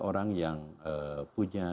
orang yang punya